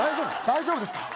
大丈夫ですか？